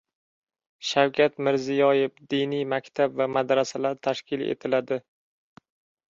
Shavkat Mirziyoev: “Diniy maktab va madrasalar tashkil etiladi”